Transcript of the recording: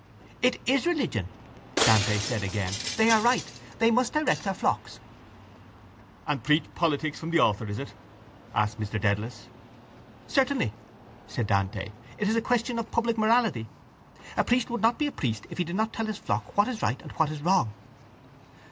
—It is religion, Dante said again. They are right. They must direct their flocks. —And preach politics from the altar, is it? asked Mr Dedalus. —Certainly, said Dante. It is a question of public morality. A priest would not be a priest if he did not tell his flock what is right and what is wrong.